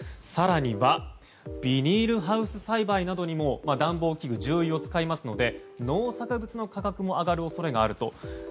更にはビニールハウス栽培などにも暖房器具、重油を使いますので農作物の価格も上がる恐れがあると。